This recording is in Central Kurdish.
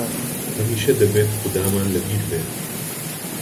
هەمیشە دەبێت خودامان لە بیر بێت!